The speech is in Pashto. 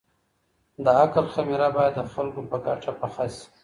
د عقل خميره بايد د خلګو په ګټه پخه سي.